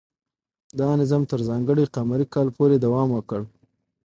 دا نظام تر ځانګړي قمري کال پورې دوام وکړ.